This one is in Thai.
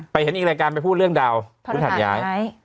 เห็นอีกรายการไปพูดเรื่องดาวคุณหัดย้าย